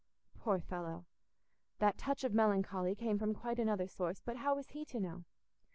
Poor fellow! That touch of melancholy came from quite another source, but how was he to know?